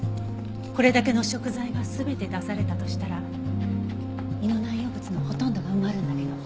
これだけの食材が全て出されたとしたら胃の内容物のほとんどが埋まるんだけど。